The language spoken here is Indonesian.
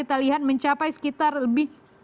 kita lihat mencapai sekitar lebih dari lima miliar dolar